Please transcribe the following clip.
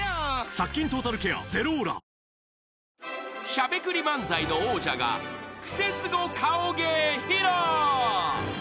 ［しゃべくり漫才の王者がクセスゴ顔芸披露］